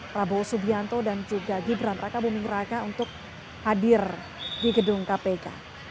prabowo subianto dan juga gibran raka buming raka untuk hadir di gedung kpk